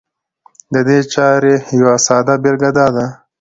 د دې چارې يوه ساده بېلګه دا ده